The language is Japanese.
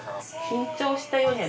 緊張したように。